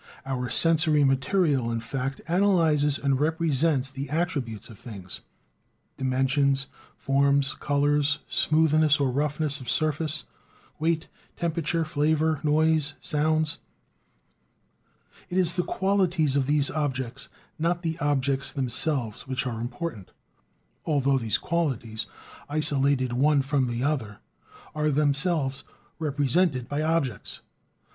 Our sensory material, in fact, analyses and represents the attributes of things: dimensions, forms, colors, smoothness or roughness of surface, weight, temperature, flavor, noise, sounds. It is the qualities of the objects, not the objects themselves which are important; although these qualities, isolated one from the other, are themselves represented by objects.